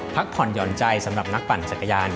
พักผ่อนหย่อนใจสำหรับนักปั่นจักรยาน